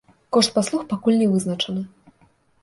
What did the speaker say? Кошт паслуг пакуль не вызначаны.